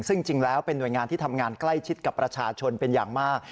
ซึ่งจริงแล้วเป็นหน่วยงานที่ทำงานใกล้ชิดกับประชาชนเป็นอย่างมาก